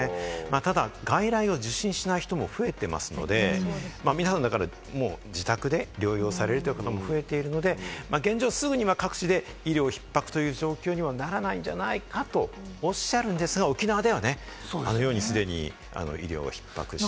ただ外来を受診しない人も増えてますので、皆さんの中で、もう自宅で療養されるという方も増えているので、現状、すぐには各地で医療ひっ迫という状況にはならないんじゃないかとおっしゃるんですが、沖縄ではね、あのように既に医療逼迫して。